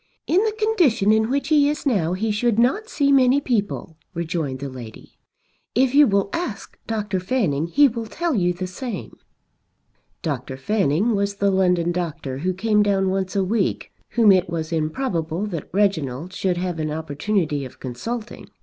"In the condition in which he is now he should not see many people," rejoined the lady. "If you will ask Dr. Fanning he will tell you the same." Dr. Fanning was the London doctor who came down once a week, whom it was improbable that Reginald should have an opportunity of consulting.